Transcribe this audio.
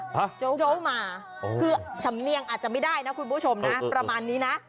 โจ๊กมาคือสำเนียงอาจจะไม่ได้นะคุณผู้ชมนะประมาณนี้นะ